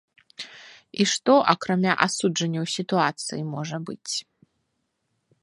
І што, акрамя асуджэнняў сітуацыі, можа быць?